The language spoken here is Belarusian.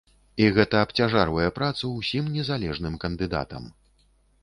І гэта абцяжарвае працу ўсім незалежным кандыдатам.